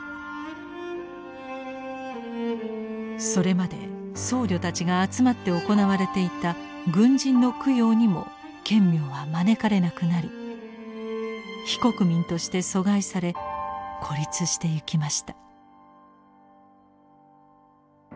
それまで僧侶たちが集まって行われていた軍人の供養にも顕明は招かれなくなり非国民として疎外され孤立してゆきました。